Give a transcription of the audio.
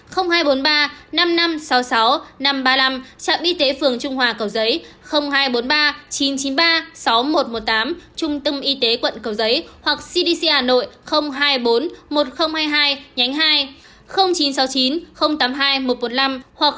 hai trăm bốn mươi ba năm nghìn năm trăm sáu mươi sáu năm trăm ba mươi năm trạm y tế phường trung hòa cầu giấy hai trăm bốn mươi ba chín trăm chín mươi ba sáu nghìn một trăm một mươi tám trung tâm y tế quận cầu giấy hoặc cdc hà nội hai mươi bốn một nghìn hai mươi hai nhánh hai